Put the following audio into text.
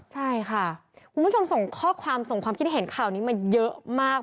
ใช่ค่ะคุณผู้ชมส่งข้อความส่งความคิดเห็นข่าวนี้มาเยอะมาก